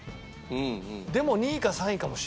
でも２位か３位かもしれない。